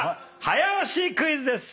早押しクイズです。